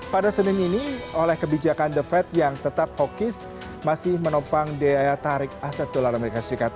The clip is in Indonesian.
pada senin ini oleh kebijakan the fed yang tetap hawkis masih menopang daya tarik aset dolar as